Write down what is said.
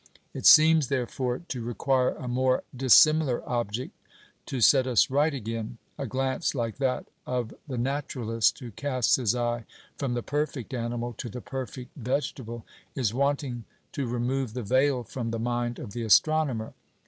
It seems, therefore, to require a more dissimilar object to set us right again. A glance like that of the naturalist, who casts his eye from the perfect animal to the perfect vegetable, is wanting to remove the veil from the mind of the astronomer.